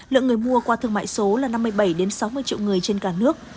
lượng người mua qua thương mại số là năm mươi bảy sáu mươi triệu người trên cả nước